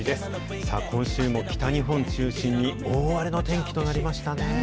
さあ、今週も、北日本中心に大荒れの天気となりましたねぇ。